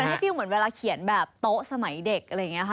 อันนี้ฟิลเหมือนเวลาเขียนแบบโต๊ะสมัยเด็กอะไรอย่างนี้ค่ะ